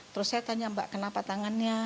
terus saya tanya mbak kenapa tangannya